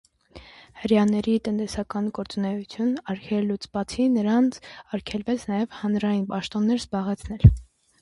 Հրեաների տնտեսական գործունեությունն արգելելուց բացի՝ նրանց արգելվեց նաև հանրային պաշտոններ զբաղեցնել։